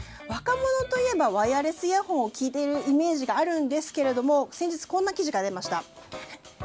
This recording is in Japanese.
若者といえばワイヤレスイヤホンで聴いているイメージがあるんですが先日こんな記事が出ました。